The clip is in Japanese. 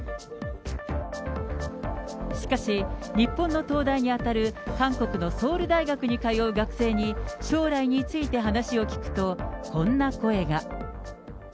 しかし、日本の東大に当たる韓国のソウル大学に通う学生に、将来について話を聞くと、こんな声が。